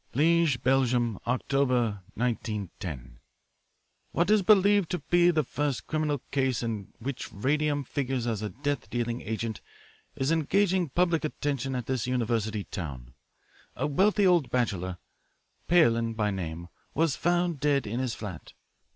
"'Liege, Belgium, Oct. , 1910. What is believed to be the first criminal case in which radium figures as a death dealing agent is engaging public attention at this university town. A wealthy old bachelor, Pailin by name, was found dead in his flat.